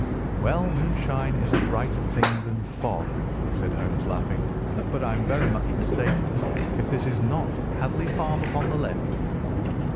"Well, moonshine is a brighter thing than fog," said Holmes, laughing. "But I am very much mistaken if this is not Hatherley Farm upon the left."